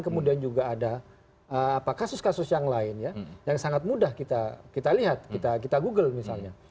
kemudian juga ada kasus kasus yang lain ya yang sangat mudah kita lihat kita google misalnya